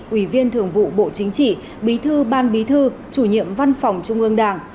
ủy viên thường vụ bộ chính trị bí thư ban bí thư chủ nhiệm văn phòng trung ương đảng